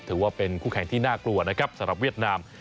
ถือว่าเป็นคู่แข่งที่น่ากลัวนะครับสำหรับเวียดนาม